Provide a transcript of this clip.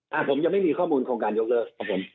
ผมยังไม่มีข้อมูลโครงการยกเลิกครับผม